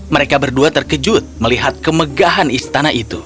mereka berdua terkejut melihat kemegahan istana itu